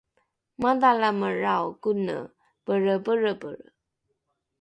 madhalamelrao kone pelrepelrepelre